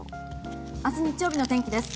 明日日曜日の天気です。